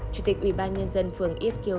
chủ tịch ủy ban nhân dân phường yết kiều